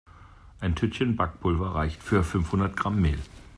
Ein Tütchen Backpulver reicht für fünfhundert Gramm Mehl.